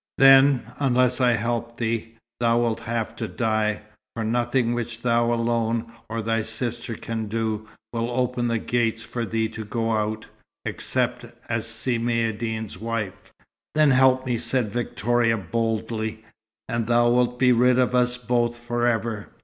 "Then, unless I help thee, thou wilt have to die, for nothing which thou alone, or thy sister can do, will open the gates for thee to go out, except as Si Maïeddine's wife." "Then help me," said Victoria, boldly, "and thou wilt be rid of us both forever."